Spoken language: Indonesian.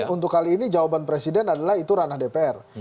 untuk kali ini jawaban presiden adalah itu ranah dpr